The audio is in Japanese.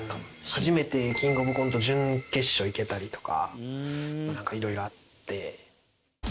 初めてキングオブコント準決勝いけたりとかいろいろあって。